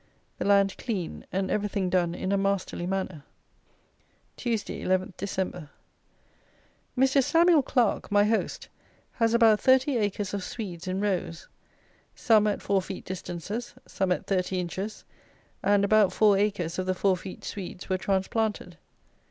The land clean, and everything done in a masterly manner. Tuesday, 11 Dec. Mr. SAMUEL CLARKE, my host, has about 30 acres of Swedes in rows. Some at 4 feet distances, some at 30 inches; and about 4 acres of the 4 feet Swedes were transplanted.